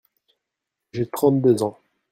J’ai trente-deux ans.